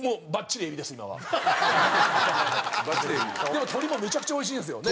でも鳥もめちゃくちゃおいしいんですよ。